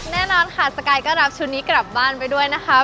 แน่นอนค่ะสกายก็รับชุดนี้กลับบ้านไปด้วยนะคะ